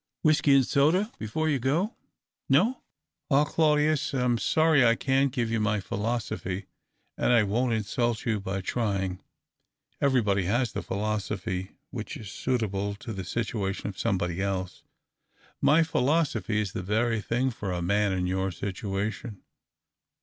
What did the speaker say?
AVbisky and soda before you go ? l^ol Ab, Claudius, I am sorry I can't give you my n THE OCTAVE OF CLAUDIUS. 321 philosophy, and I won't insult you by trying ! Eveiybody has the philosophy which is suitable to the situation of somebody else. My philo sophy is the very thing for a man in your situation.